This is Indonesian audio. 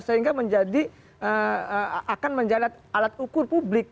sehingga menjadi akan menjalat alat ukur publik